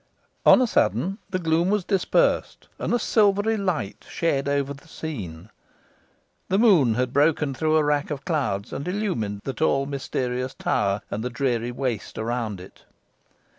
On a sudden the gloom was dispersed, and a silvery light shed over the scene. The moon had broken through a rack of clouds, and illumined the tall mysterious tower, and the dreary waste around it.